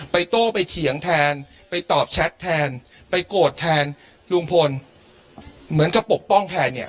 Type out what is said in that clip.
โต้ไปเถียงแทนไปตอบแชทแทนไปโกรธแทนลุงพลเหมือนกับปกป้องแทนเนี่ย